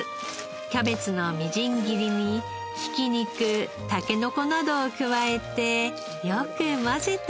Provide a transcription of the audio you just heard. キャベツのみじん切りにひき肉タケノコなどを加えてよく混ぜたら。